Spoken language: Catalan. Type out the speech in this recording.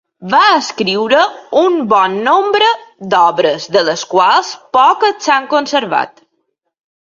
Va escriure un bon nombre d'obres, de les quals poques s'han conservat.